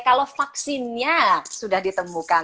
kalau vaksinnya sudah ditemukan